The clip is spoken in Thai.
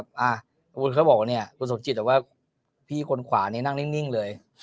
คุณเค้าบอกว่าเนี่ยคุณศพจิตอะว่าพี่คนขวานี้นั่งนิ่งนิ่งเลย